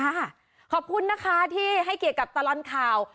ขอบคุณนะคะที่ให้เกียรติกับตลอดข่าว